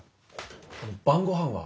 あの晩ごはんは。